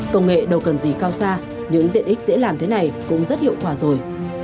công nghệ đâu cần gì cao xa những tiện ích dễ làm thế này cũng rất hiệu quả rồi